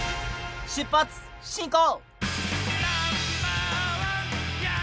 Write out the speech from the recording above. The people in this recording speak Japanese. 出発進行！